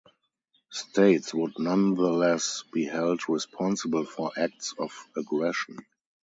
States would nonetheless be held responsible for acts of aggression.